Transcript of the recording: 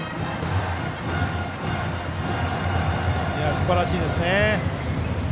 すばらしいですね。